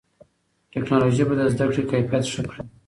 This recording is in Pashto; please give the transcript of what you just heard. ټیکنالوژي به د زده کړې کیفیت ښه کړي.